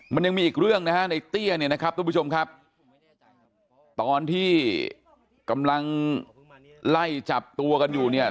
มันยังมีอีกเรื่องนะฮะในเตี้ยเนี่ยนะครับทุกผู้ชมครับตอนที่กำลังไล่จับตัวกันอยู่เนี่ย